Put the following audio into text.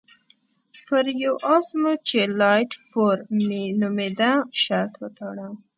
پر یوه اس مو چې لایټ فور مي نومېده شرط وتاړه.